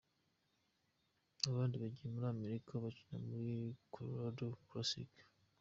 Abandi bagiye muri Amerika gukina muri Colorado Classic